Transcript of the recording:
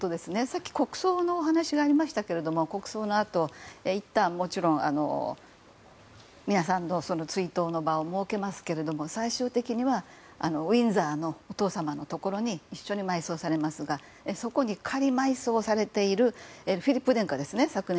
さっき国葬の話がありましたが国葬のあと、いったん皆さんの追悼の場を設けますけども最終的にはウィンザーのお父様のところに一緒に埋葬されますがそこに仮埋葬されている昨年亡くなられたフィリップ殿下ですね。